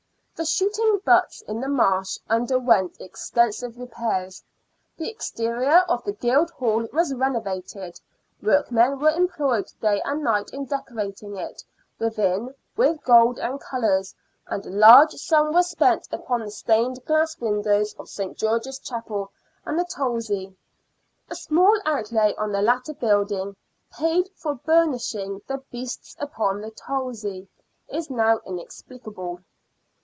The shooting butts in the Marsh underwent extensive repairs, the exterior of the Guildhall was renovated, workmen were employed day and night in decorating it within with gold and colours, and a large sum was spent upon the stained glass windows of St. George's Chapel and the Tolzey. A small outlay on the latter building —" Paid for burnishing the beasts upon the Tolzey "— is now inexplicable.